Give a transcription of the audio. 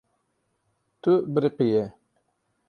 Tu biriqiyî.